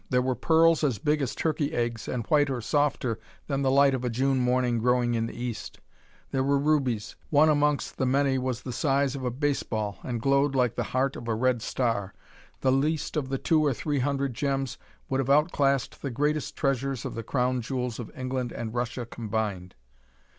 There were pearls as big as turkey eggs and whiter, softer than the light of a June morning growing in the East. There were rubies. One amongst the many was the size of a baseball and glowed like the heart of a red star. The least of the two or three hundred gems would have outclassed the greatest treasures of the Crown jewels of England and Russia combined.